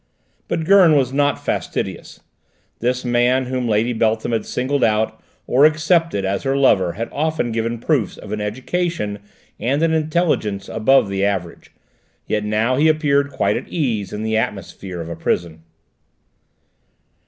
But Gurn was not fastidious; this man whom Lady Beltham had singled out, or accepted, as her lover had often given proofs of an education and an intelligence above the average, yet now he appeared quite at ease in the atmosphere of a prison.